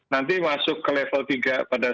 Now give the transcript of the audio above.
nanti masuk ke level tiga pada